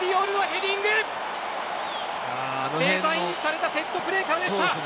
デザインされたセットプレーから。